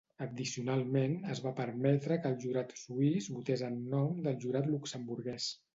Addicionalment, es va permetre que el jurat suís votés en nom del jurat luxemburguès.